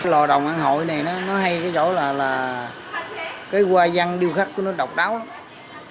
lò đồng an hội này nó hay cái chỗ là cái qua dăng điêu khắc của nó độc đáo lắm